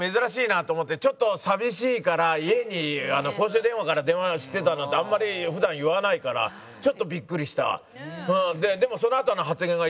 ちょっと寂しいから家に公衆電話から電話してたなんてあんまり普段言わないからちょっとビックリした。